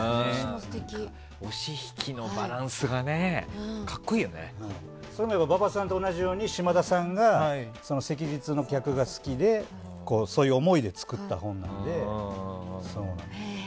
押し引きのバランスが馬場さんと同じように島田さんが「昔日の客」が好きでそういう思いで作った本なので。